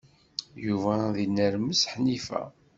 Yuba ad inermes Ḥnifa.